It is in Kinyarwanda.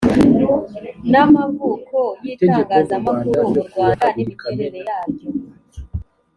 n amavuko y itangazamakuru mu rwanda n imiterere yaryo